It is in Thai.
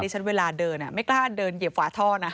ฉันเวลาเดินไม่กล้าเดินเหยียบฝาท่อนะ